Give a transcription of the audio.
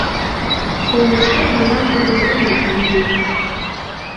Толмешкет, мылам тудо Юмо лие...